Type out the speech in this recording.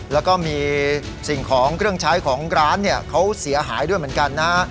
แล้วก็มีสิ่งของเครื่องใช้ของร้านเนี่ยเขาเสียหายด้วยเหมือนกันนะฮะ